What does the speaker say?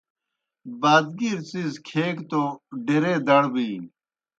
باد گِیر څِیز کھیگہ توْ ڈیرے دڑ بِینیْ۔